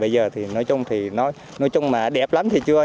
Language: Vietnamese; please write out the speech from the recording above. bây giờ thì nói chung mà đẹp lắm thì chưa nhưng mà dài thì tương đối đi lại được rồi